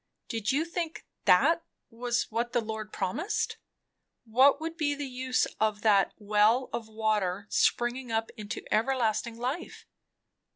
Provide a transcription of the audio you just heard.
"Did you think that was what the Lord promised? What would be the use of that 'well of water, springing up into everlasting life'?